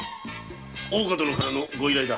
大岡殿からのご依頼だ。